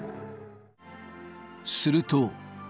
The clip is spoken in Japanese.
すると。